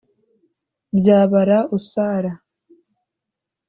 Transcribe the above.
Byabara usara